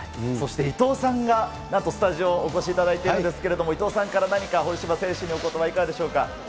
そして伊藤さんが、なんとスタジオ、お越しいただいているんですけれども、伊藤さんから何か堀島選手におことばいかがでしょうか。